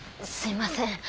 すいません。